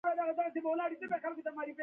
کوږ نیت بې لارې کوي